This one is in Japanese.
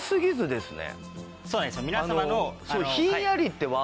皆様の。